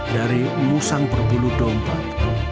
dari musang berbulu dompet